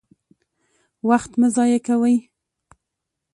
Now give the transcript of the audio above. وخت مه ضايع کوئ!